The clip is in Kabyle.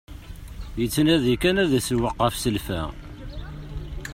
Yettnadi kan ad isewweq ɣef selfa.